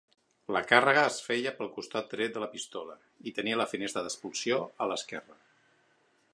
La càrrega es feia pel costat dret de la pistola i tenia la finestra d'expulsió a l'esquerra.